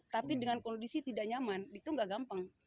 tapi dengan kondisi tidak nyaman itu nggak gampang